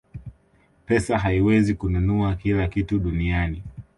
pesa haiwezi kununua kila kitu duniani